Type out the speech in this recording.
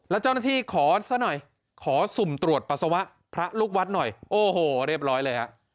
แล้วเจ้าหน้าที่ขอซะหน่อยขอสุ่มตรวจปัสสาวะพระลูกวัดหน่อยโอ้โหเรียบร้อยเลยฮะ